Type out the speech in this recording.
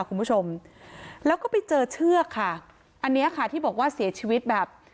คุณผู้ชมแล้วก็ไปเจอเชือกค่ะอันเนี้ยค่ะที่บอกว่าเสียชีวิตแบบ